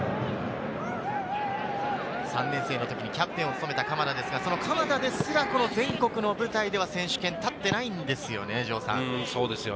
３年生の時にキャプテンを務めた鎌田ですが、その鎌田ですら全国の舞台では選手権、立っていないんですよね。